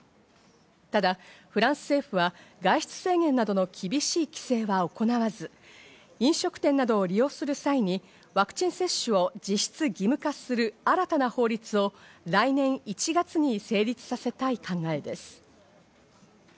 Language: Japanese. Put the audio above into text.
ただフランス政府は、外出制限などの厳しい規制は行わず、飲食店などを利用する際にワクチン接種を実質義務化する新たな法律を来年１月に成立させたい考えです。